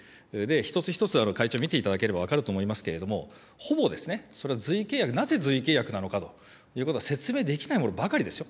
一つ一つ、会長、見ていただければ分かると思いますけれども、ほぼ、それは随意契約、なぜ随意契約なのかということを説明できないものばかりですよ。